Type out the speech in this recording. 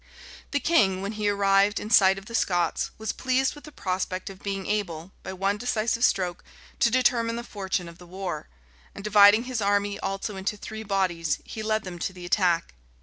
The king, when he arrived in sight of the Scots, was pleased with the prospect of being able, by one decisive stroke, to determine the fortune of the war; and dividing his army also into three bodies, he led them to the attack.